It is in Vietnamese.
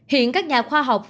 hiện các nhà khoa học